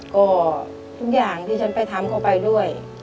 ก็ทุกอย่างที่ฉันไปทำก็ไปด้วย